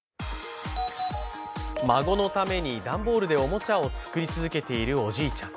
孫のために段ボールでおもちゃを作り続けているおじいちゃん。